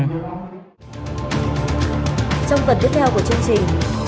trong phần tiếp theo của chương trình